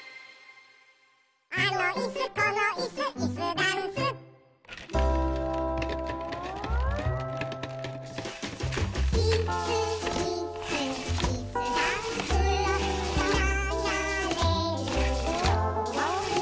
「あのイスこのイスイスダンス」「イスイスイスダンス」「ながれるように」